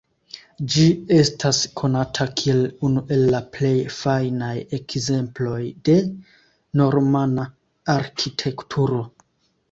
Ĝi estas konata kiel unu el la plej fajnaj ekzemploj de normana arkitekturo.